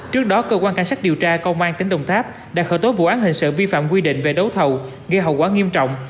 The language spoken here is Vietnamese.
trước đó cơ quan cảnh sát điều tra công an tỉnh đồng tháp đã khởi tố vụ án hình sự vi phạm quy định về đấu thầu gây hậu quả nghiêm trọng